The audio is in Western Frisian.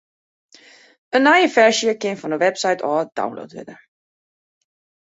In nije ferzje kin fan de website ôf download wurde.